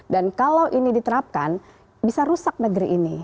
dan kalau ini diterapkan bisa rusak negeri ini